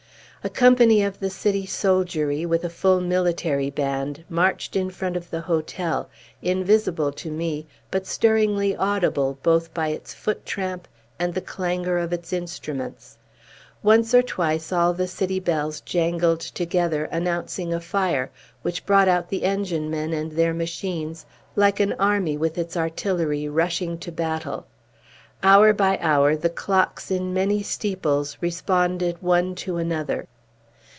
A company of the city soldiery, with a full military band, marched in front of the hotel, invisible to me, but stirringly audible both by its foot tramp and the clangor of its instruments. Once or twice all the city bells jangled together, announcing a fire, which brought out the engine men and their machines, like an army with its artillery rushing to battle. Hour by hour the clocks in many steeples responded one to another.